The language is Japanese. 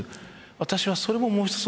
私は、それももう一つ